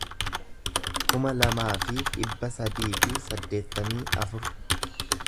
kuma lamaa fi dhibba sadii fi saddeettamii afur